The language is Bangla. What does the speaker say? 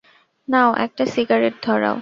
নাও, একটা সিগারেট ধরাও।